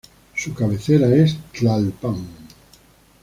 Su cabecera es Tlalpan.